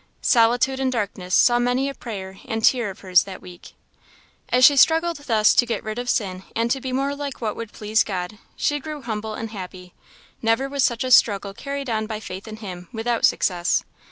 Solitude and darkness saw many a prayer and tear of hers that week. As she struggled thus to get rid of sin, and to be more like what would please God, she grew humble and happy. Never was such a struggle carried on by faith in Him, without success.